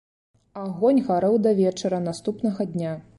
Агонь гарэў да вечара наступнага дня.